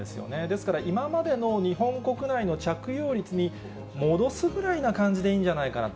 ですから、今までの日本国内の着用率に戻すぐらいな感じでいいんじゃないかな。